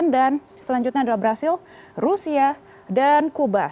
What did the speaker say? dan selanjutnya adalah brazil rusia dan kuba